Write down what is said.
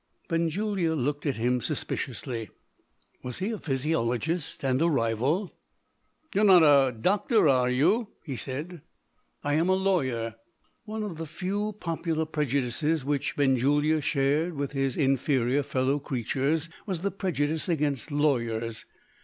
Benjulia looked at him suspiciously. Was he a physiologist, and a rival? "You're not a doctor are you?" he said. "I am a lawyer." One of the few popular prejudices which Benjulia shared with his inferior fellow creatures was the prejudice against lawyers.